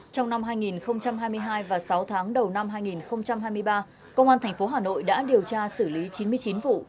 trong năm hai nghìn hai mươi hai và sáu tháng đầu năm hai nghìn hai mươi ba công an tp hà nội đã điều tra xử lý chín mươi chín vụ